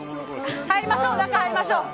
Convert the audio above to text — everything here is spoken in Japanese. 中、入りましょう。